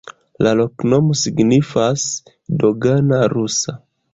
La loknomo signifas: dogana-rusa.